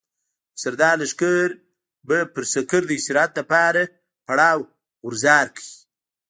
د سردار لښکر به پر سکر د استراحت لپاره پړاو غورځار کړي.